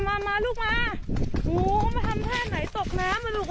ไม่รู้มาทำแทนไหนตกน้ำเลยลูก